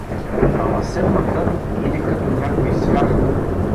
Ама седмата — иде като някой звяр.